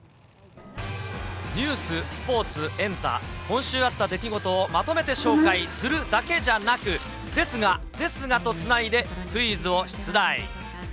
ニュース、スポーツ、エンタ、今週あった出来事をまとめて紹介するだけじゃなく、ですがですがとつないで、クイズを出題。